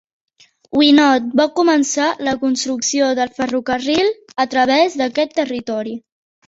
Wynot va començar la construcció del ferrocarril a través d'aquest territori.